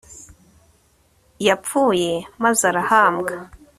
yapfuye maz'arahambwa